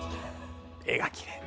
絵がきれい。